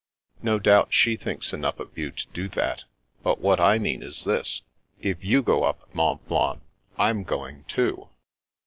" No doubt she thinks enough of you to do that. But what I mean is this : if you go up Mont Blanc, Fm going too."